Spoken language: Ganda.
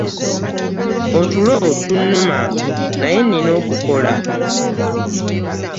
Otulo tunnuma naye nina okukola .